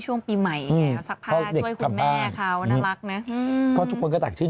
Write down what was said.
ช่วงปีใหม่ไงซักผ้าช่วยคุณแม่เขาน่ารักนะก็ทุกคนก็ตักชื่น